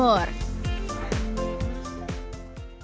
gek larissa aga dipa surabaya jawa timur